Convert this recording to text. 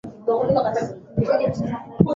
licha ya kuwa vyombo vyenyewe vinakandamizwa